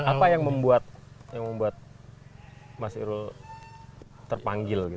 apa yang membuat mas irul terpanggil